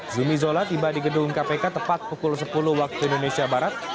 zumi zola tiba di gedung kpk tepat pukul sepuluh waktu indonesia barat